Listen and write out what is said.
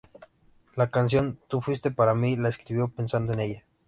La canción "Tú Fuiste Para Mí" la escribió pensando en ella.